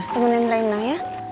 temenin rena ya